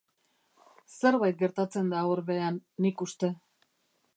Zerbait gertatzen da hor behean, nik uste.